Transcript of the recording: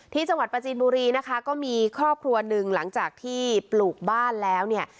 ที่จังหวัดประจีนบุรีนะคะก็มีครอบครัวหนึ่งหลังจากที่ปลูกบ้านแล้วเนี่ย